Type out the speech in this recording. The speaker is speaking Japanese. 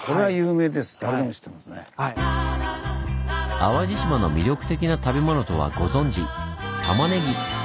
淡路島の魅力的な食べ物とはご存じたまねぎ！